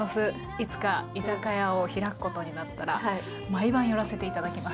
いつか居酒屋を開くことになったら毎晩寄らせて頂きます。